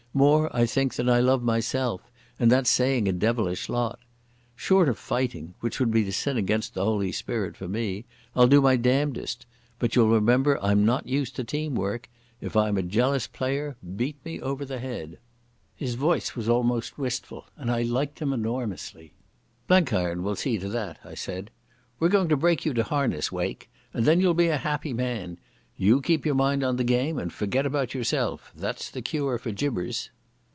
More, I think, than I love myself, and that's saying a devilish lot. Short of fighting—which would be the sin against the Holy Spirit for me—I'll do my damnedest. But you'll remember I'm not used to team work. If I'm a jealous player, beat me over the head." His voice was almost wistful, and I liked him enormously. "Blenkiron will see to that," I said. "We're going to break you to harness, Wake, and then you'll be a happy man. You keep your mind on the game and forget about yourself. That's the cure for jibbers."